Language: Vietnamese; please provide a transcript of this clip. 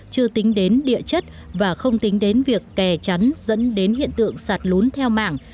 chưa tính đến địa chất và không tính đến việc kè chắn dẫn đến hiện tượng sạt lún theo mảng